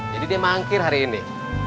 jadi dia mangkir hari ini